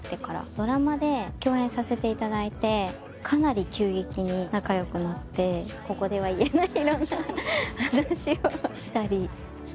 ドラマで共演させていただいてかなり急激に仲良くなってここでは言えないような話をしたり。